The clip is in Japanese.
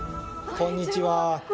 こんにちは！